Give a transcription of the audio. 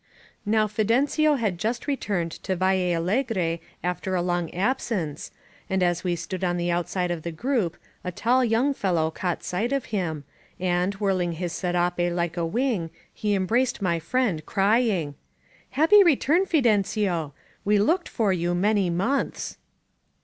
Now Fidencio had just returned to Valle Allegre after a long absence, and as we stood on the outside of the group a tall young fellow caught sight of him, and, whirling his serape like a wing, he embraced my friend, crying: Happy return, Fidencio ! We looked for you many months